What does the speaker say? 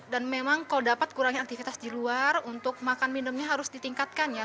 dan memang kalau dapat kurangi aktivitas di luar untuk makan minumnya harus ditingkatkan ya